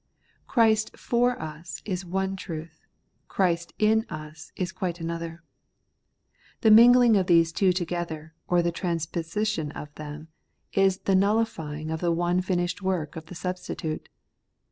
Christ for us is one truth ; Christ in us is quite another. The mingling of these two together, or the transposition of them, is the nullifying of the one finished work of the substitute.